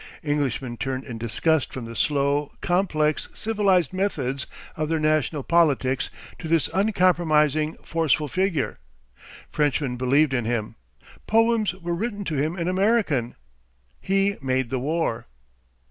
Englishmen turned in disgust from the slow, complex, civilised methods of their national politics to this uncompromising, forceful figure. Frenchmen believed in him. Poems were written to him in American. He made the war.